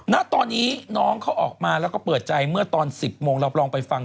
ณตอนนี้น้องเขาออกมาแล้วก็เปิดใจเมื่อตอน๑๐โมงเราลองไปฟัง